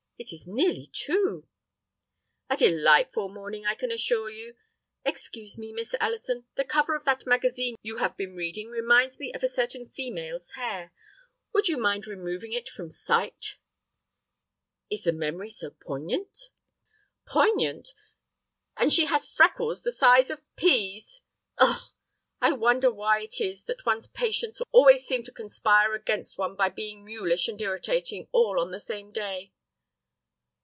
It is nearly two." "A delightful morning, I can assure you. Excuse me, Miss Ellison, the cover of that magazine you have been reading reminds me of a certain female's hair. Would you mind removing it from sight?" "Is the memory so poignant?" "Poignant! And she has freckles the size of pease. Ugh! I wonder why it is that one's patients always seem to conspire against one by being mulish and irritating all on the same day?"